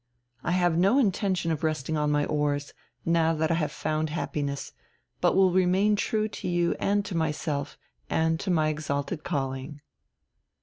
I have no intention of resting on my oars, now that I have found happiness, but will remain true to you and to myself and to my exalted calling...."